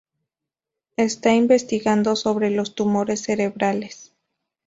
Está investigando sobre los tumores cerebrales.